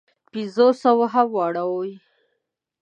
پنځو سوو هم واوړي.